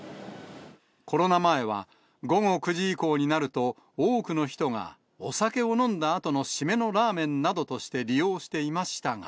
コロナ前は、午後９時以降になると、多くの人がお酒を飲んだあとの締めのラーメンなどとして利用していましたが。